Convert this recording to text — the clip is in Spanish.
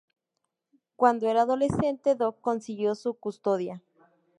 Cuando eran adolescentes Dog consiguió su custodia.